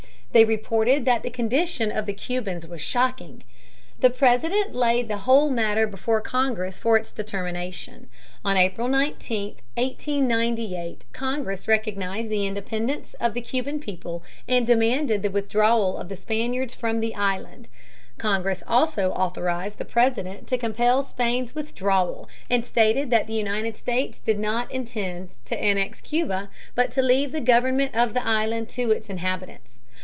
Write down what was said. They reported that the condition of the Cubans was shocking. The President laid the whole matter before Congress for its determination. On April 19, 1898, Congress recognized the independence of the Cuban people and demanded the withdrawal of the Spaniards from the island. Congress also authorized the President to compel Spain's withdrawal and stated that the United States did not intend to annex Cuba, but to leave the government of the island to its inhabitants.